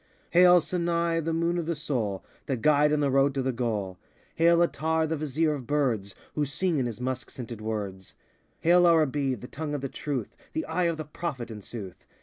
Hail, Sana'i a the Moon of the Soul, The Guide and the Road to the goal. Hail, Attar 8 the Vezier of Birds, Who sing in his musk scented words. Hail, Arabi, b the Tongue of the Truth, The Eye of the Prophet, in sooth.